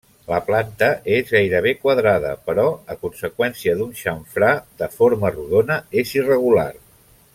La planta és gairebé quadrada però a conseqüència d'un xamfrà de forma rodona és irregular.